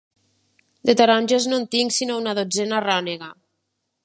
De taronges, no en tinc sinó una dotzena rònega.